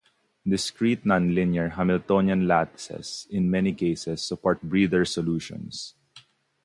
Discrete nonlinear Hamiltonian lattices in many cases support breather solutions.